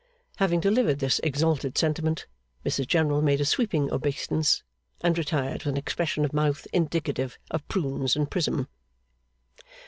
Having delivered this exalted sentiment, Mrs General made a sweeping obeisance, and retired with an expression of mouth indicative of Prunes and Prism.